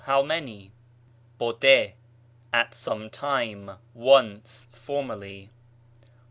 how many. ποτέ, at some time, once, formerly.